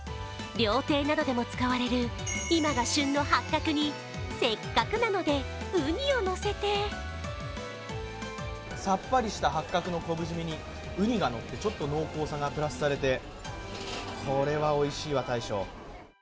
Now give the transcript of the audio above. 料亭などでも使われる今が旬のハッカクにせっかくなので、ウニをのせてさっぱりしたハッカクのこぶじめに、ウニがのってちょっと濃厚さがプラスされて、これはおいしいわ、大将。